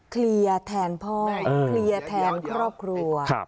เคลียร์แทนพ่อเคลียร์แทนครอบครัว